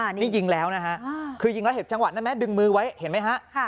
นี่ยิงแล้วนะฮะคือยิงแล้วเห็นจังหวะนั้นไหมดึงมือไว้เห็นไหมฮะ